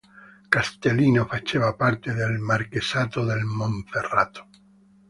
Castellino faceva parte del Marchesato del Monferrato.